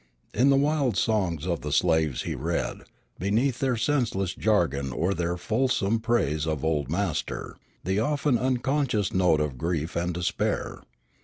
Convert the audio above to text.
In the wild songs of the slaves he read, beneath their senseless jargon or their fulsome praise of "old master," the often unconscious note of grief and despair.